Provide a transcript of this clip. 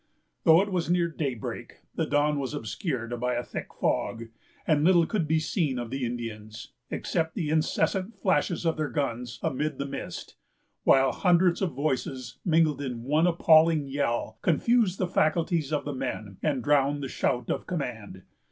Though it was near daybreak, the dawn was obscured by a thick fog, and little could be seen of the Indians, except the incessant flashes of their guns amid the mist, while hundreds of voices, mingled in one appalling yell, confused the faculties of the men, and drowned the shout of command.